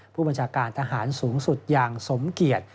ผู้บัญชาการทหารสูงสุดอย่างสมเกียจ